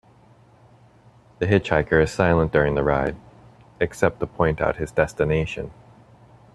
The hitchhiker is silent during the ride, except to point out his destination.